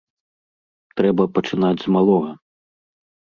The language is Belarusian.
Трэба пачынаць з малога.